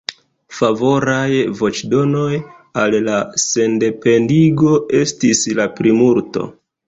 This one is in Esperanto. Favoraj voĉdonoj al la sendependigo estis la plimulto.